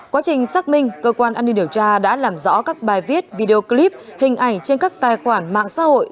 quá trình xác minh cơ quan an ninh điều tra đã làm rõ các bài viết video clip hình ảnh trên các tài khoản mạng xã hội